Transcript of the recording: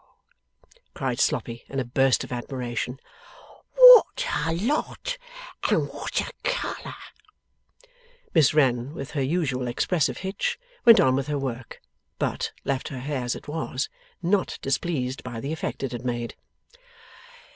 'Oh!' cried Sloppy, in a burst of admiration. 'What a lot, and what a colour!' Miss Wren, with her usual expressive hitch, went on with her work. But, left her hair as it was; not displeased by the effect it had made.